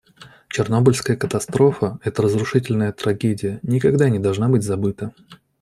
Чернобыльская катастрофа, эта разрушительная трагедия, никогда не должна быть забыта.